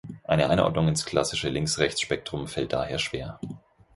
Eine Einordnung ins klassische Links-Rechts-Spektrum fällt daher schwer.